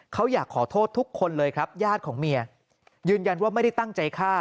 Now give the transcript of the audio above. เขาอยากขอโทษทุกคนเลยครับญาติของเมียยืนยันว่าไม่ได้ตั้งใจฆ่า